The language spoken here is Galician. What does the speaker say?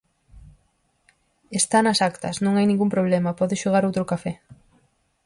Está nas actas, non hai ningún problema, pode xogar outro café.